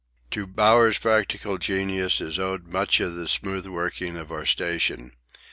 To Bowers' practical genius is owed much of the smooth working of our station.